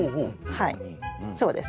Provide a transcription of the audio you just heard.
はいそうです。